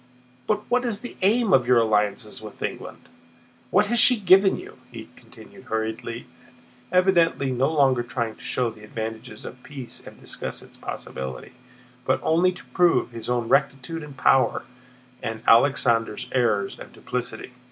But what is the aim of your alliance with England? What has she given you?" he continued hurriedly, evidently no longer trying to show the advantages of peace and discuss its possibility, but only to prove his own rectitude and power and Alexander's errors and duplicity.